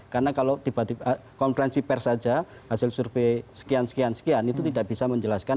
karena kalau tiba tiba konferensi pers saja hasil survei sekian sekian itu tidak bisa menjelaskan